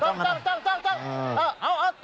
จ้องกันหน่อย